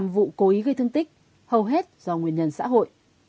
năm mươi năm vụ cố ý gây thương tích hầu hết do nguyên nhân xã hội